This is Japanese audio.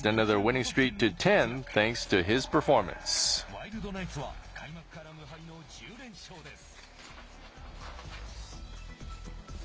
ワイルドナイツは開幕から無敗の１０連勝です。